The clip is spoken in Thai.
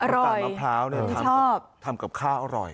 อร่อยไม่ชอบน้ำตาลมะพร้าวเนี่ยทำกับข้าวอร่อย